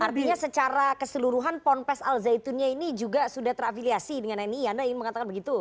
artinya secara keseluruhan ponpes al zaitunnya ini juga sudah terafiliasi dengan nii anda ingin mengatakan begitu